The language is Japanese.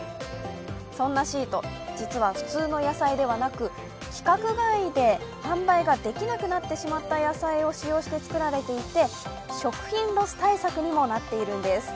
そんなシート、実は普通の野菜ではなく規格外で販売ができなくなってしまった野菜を使用して作られていて食品ロス対策にもなっているんです。